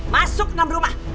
masuk dalam rumah